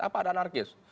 apa ada anarkis